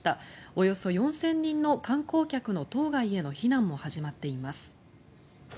およそ４０００人の観光客の島外への避難も始まっています。